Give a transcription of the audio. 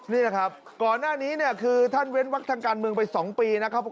นี่แหละครับก่อนหน้านี้เนี่ยคือท่านเว้นวักทางการเมืองไป๒ปีนะครับ